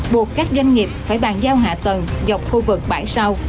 buộc các doanh nghiệp phải bàn giao hạ tầng dọc khu vực bãi sau